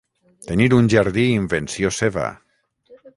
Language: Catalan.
Tenir un jardí invenció seva!